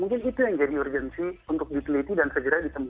mungkin itu yang jadi urgensi untuk diteliti dan segera ditemukan